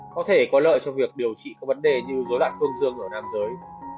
có thể có lợi trong việc điều trị các vấn đề như dối đoạn phương dương ở nam giới